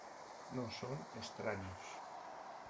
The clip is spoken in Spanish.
No son extraños.